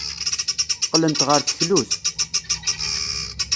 Qqlent ɣer teklut.